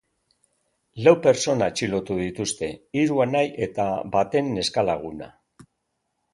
Lau pertsona atxilotu dituzte, hiru anai eta baten neskalaguna.